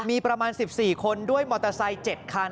มีประมาณ๑๔คนด้วยมอเตอร์ไซค์๗คัน